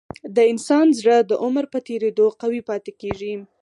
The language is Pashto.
د انسان زړه د عمر په تیریدو قوي پاتې کېږي.